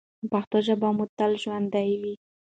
پښتو ژبه مو تل ژوندۍ وي.